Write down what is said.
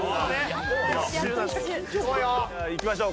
さあいきましょう。